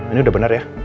ini udah bener ya